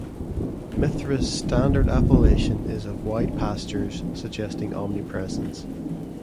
Mithra's standard appellation is "of wide pastures" suggesting omnipresence.